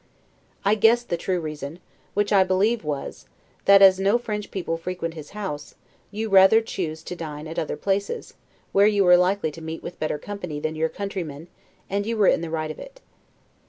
I guessed the true reason, which I believe was, that, as no French people frequent his house, you rather chose to dine at other places, where you were likely to meet with better company than your countrymen and you were in the right of it.